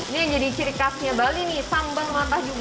ini yang jadi ciri khasnya bali nih sambal mata juga